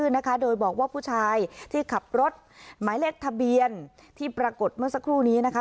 นะคะโดยบอกว่าผู้ชายที่ขับรถหมายเลขทะเบียนที่ปรากฏเมื่อสักครู่นี้นะคะ